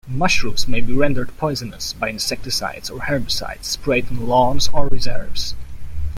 Mushrooms may be rendered poisonous by insecticides or herbicides sprayed on lawns or reserves.